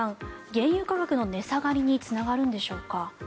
原油価格の値下がりにつながるんでしょうか。